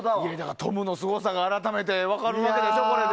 トムのすごさが改めて分かるわけでしょ、これで。